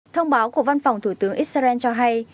thông báo của văn phòng thủ tướng israel cho hay